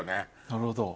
なるほど。